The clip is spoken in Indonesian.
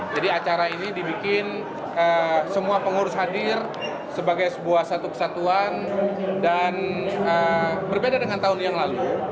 jadi acara ini dibikin semua pengurus hadir sebagai sebuah satu kesatuan dan berbeda dengan tahun yang lalu